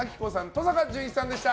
登坂淳一さんでした。